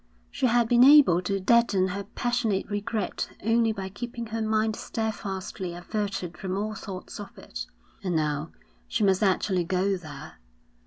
She had been able to deaden her passionate regret only by keeping her mind steadfastly averted from all thoughts of it, and now she must actually go there.